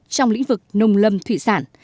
trong lĩnh vực nông lâm thủy sản